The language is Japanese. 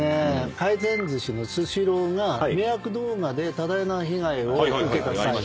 回転寿司のスシローが迷惑動画で多大な被害を受けた際にですね